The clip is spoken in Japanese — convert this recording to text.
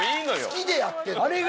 好きでやってんだろ。